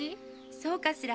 そうかしら？